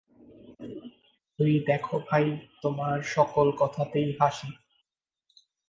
ঐ দেখ ভাই, তোমার সকল কথাতেই হাসি!